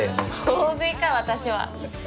大食いか私は。